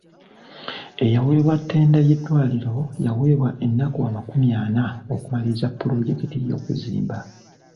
Eyaweebwa ttenda y'eddwaliro yaweebwa ennaku amakumi ana okumaliriza pulojekiti y'okuzimba.